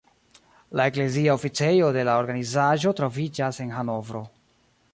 La eklezia oficejo de la organizaĵo troviĝas en Hanovro.